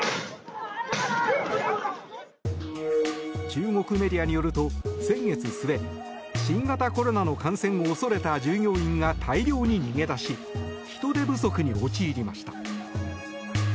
中国メディアによると先月末新型コロナの感染を恐れた従業員が大量に逃げ出し人手不足に陥りました。